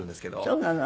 そうなの。